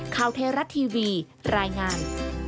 ข่าวเทราัตทีวีรายงาน